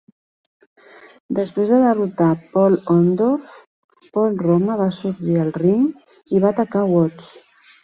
Després de derrotar Paul Orndorff, Paul Roma va sortir al ring i va atacar Watts.